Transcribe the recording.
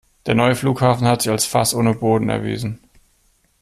Der neue Flughafen hat sich als Fass ohne Boden erwiesen.